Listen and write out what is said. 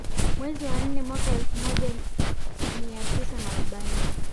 Mwezi wa nne mwaka wa elfu moja mia tisa na arobaini